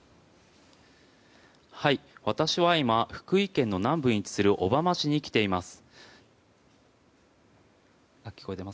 私は今、福井県南部に位置する小浜市に来ています。